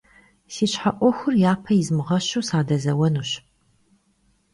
Си щхьэ Ӏуэхур япэ измыгъэщу, садэзэуэнущ.